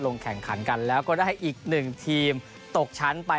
ลงแข่งขันกันแล้วก็ได้อีกหนึ่งทีมตกชั้นไป